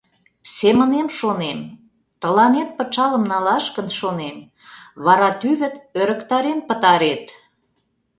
Семынем шонем: тыланет пычалым налаш гын, шонем, вара тӱвыт ӧрыктарен пытарет.